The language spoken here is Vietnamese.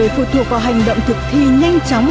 phụ thuộc vào hành động thực thi nhanh chóng